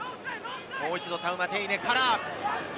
もう一度、タウマテイネから。